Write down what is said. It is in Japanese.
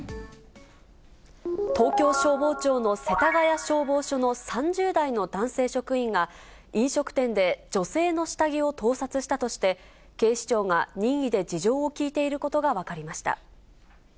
東京消防庁の世田谷消防署の３０代の男性職員が、飲食店で女性の下着を盗撮したとして、警視庁が任意で事情を聴いていることが分かりました。